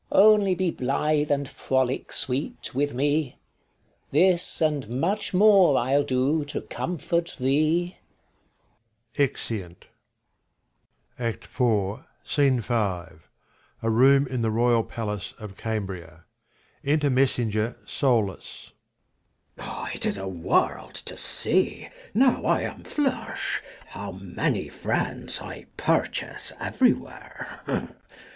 King. Only be blithe and frolic, sweet, with me ; This and much more I'll do to comfort thee. Sc. v] HIS THREE DAUGHTERS 53 SCENE V. A room in the royal palace of Cambria. Enter Messenger solus. Mess. It is a world to see now I am flush, How many friends I ^purchase ievery where